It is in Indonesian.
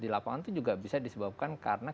di lapangan itu juga bisa disebabkan karena